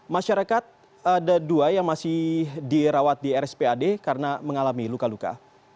masyarakat ada dua yang masih dirawat di rspad karena mengalami luka luka